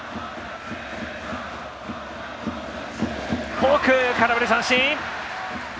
フォーク、空振り三振。